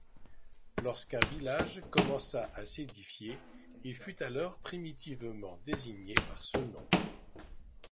Lorsqu'un village commença à s'édifier, il fut alors primitivement désigné par ce nom.